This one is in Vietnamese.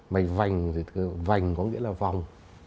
mạch vành thì vành có nghĩa là vòng